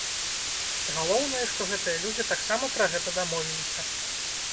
Галоўнае, што гэтыя людзі таксама пра гэта дамовіліся.